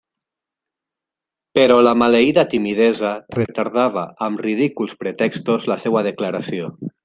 Però la maleïda timidesa retardava amb ridículs pretextos la seua declaració.